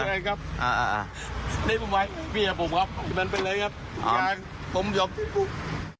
นี่ผมไหวพี่ให้ผมครับมันเป็นอะไรครับผมยอมติดคุก